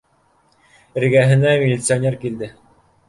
Эргәһенә милиционер килде: